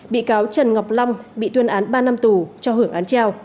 bị cáo trần ngọc long bị tuyên án ba năm tù cho hưởng án treo